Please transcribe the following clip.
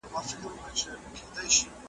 جنازه مي ور اخیستې کندهار په سترګو وینم .